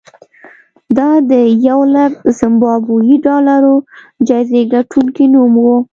دا د یولک زیمبابويي ډالرو جایزې ګټونکي نوم و.